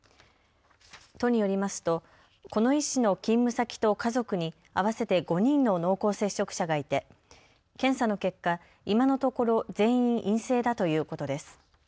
都によりますとこの医師の勤務先と家族に合わせて５人の濃厚接触者がいて検査の結果、今のところ全員陰性だということです。